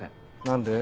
何で？